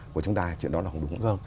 của chúng ta chuyện đó là không đúng